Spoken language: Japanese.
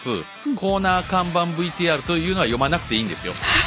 コーナー看板ＶＴＲというのは読まなくていいんですよ。